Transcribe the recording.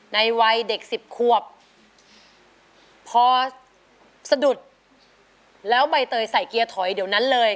ในวัยเด็กสิบควบพอสะดุดแล้วใบเตยใส่เกียร์ถอยเดี๋ยวนั้นเลย